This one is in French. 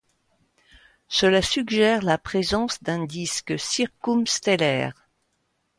Cela suggère la présence d'un disque circumstellaire.